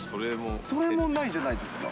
それもないじゃないですか。